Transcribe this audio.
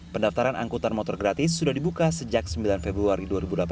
pendaftaran angkutan motor gratis sudah dibuka sejak sembilan februari dua ribu delapan belas